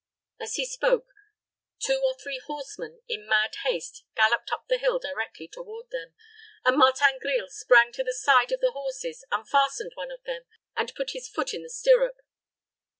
As he spoke, two or three horsemen, in mad haste, galloped up the hill directly toward them, and Martin Grille sprang to the side of the horses, unfastened one of them, and put his foot in the stirrup.